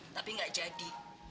tapi gak jadi